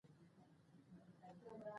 طلا د افغانستان د ښاري پراختیا سبب کېږي.